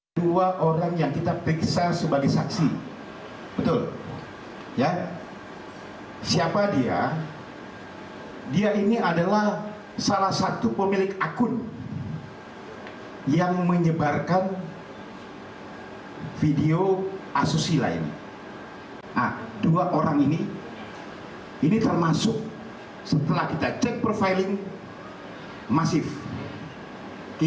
kedua tersangka akan dijerat pasal empat puluh lima ayat satu undang undang informasi dan transaksi elektronik